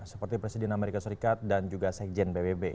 seperti presiden amerika serikat dan juga sekjen pbb